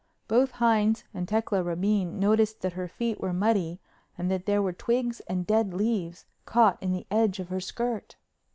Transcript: Both Hines and Tecla Rabine noticed that her feet were muddy and that there were twigs and dead leaves caught in the edge of her skirt.